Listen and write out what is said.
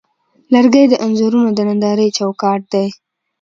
لرګی د انځورونو د نندارې چوکاټ دی.